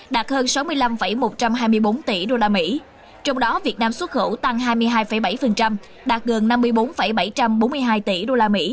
đạt hơn sáu mươi năm một trăm hai mươi bốn tỷ usd trong đó việt nam xuất khẩu tăng hai mươi hai bảy đạt gần năm mươi bốn bảy trăm bốn mươi hai tỷ usd